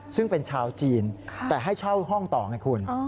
ซึ่งเป็นชาวจีนแต่ให้เช่าห้องต่อไงคุณ